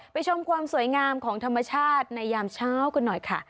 ชมความสวยงามของธรรมชาติในยามเช้ากันหน่อยค่ะ